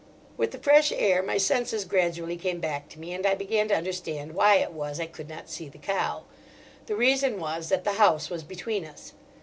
With the fresh air my senses gradually came back to me, and I began to understand why it was I could not see the cow. The reason was that the house was between us.